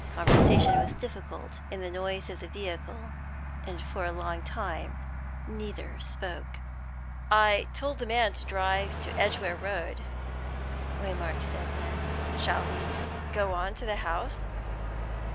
Conversation was difficult in the noise of the vehicle, and for a long time neither spoke. "I told the man to drive to Edgware Road," Waymark said then. "Shall he go on to the house?"